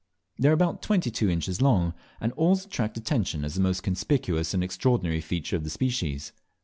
They are about twenty two inches long, and always attract attention as the most conspicuous and extraordinary feature of the species.